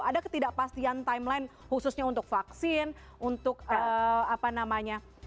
ada ketidakpastian timeline khususnya untuk vaksin untuk apa namanya